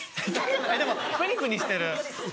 でもプニプニしてる。